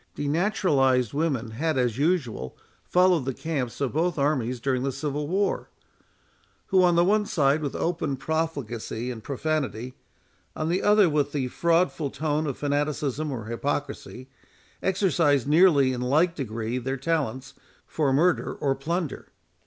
Denaturalized women had as usual followed the camps of both armies during the Civil War; who, on the one side with open profligacy and profanity, on the other with the fraudful tone of fanaticism or hypocrisy, exercised nearly in like degree their talents, for murder or plunder.